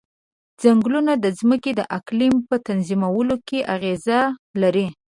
ځنګلونه د ځمکې د اقلیم په تنظیمولو کې اغیز لري.